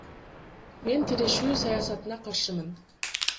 Мен тирешүү саясатына каршымын.